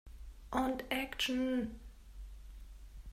Und Action!